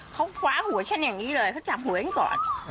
เขาคว้าหัวฉันอย่างนี้เลยเขาจับหัวฉันก่อน